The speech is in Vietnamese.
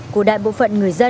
của đại bộ phận người dân